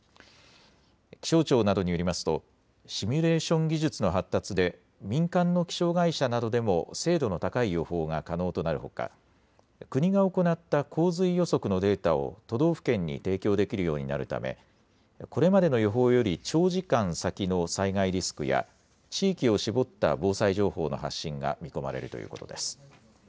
気象庁などによりますとシミュレーション技術の発達で民間の気象会社などでも精度の高い予報が可能となるほか国が行った洪水予測のデータを都道府県に提供できるようになるため、これまでの予報より長時間先の災害リスクや地域を絞った防災情報の発信が見込まれるということです。